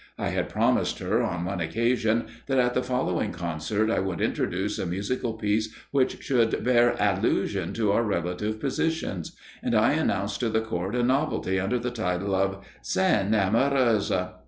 I had promised her, on one occasion, that, at the following concert, I would introduce a musical piece which should bear allusion to our relative positions; and I announced to the Court a novelty under the title of "Scène amoureuse."